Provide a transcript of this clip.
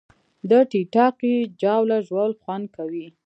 د ټیټاقې جاوله ژوول خوند کوي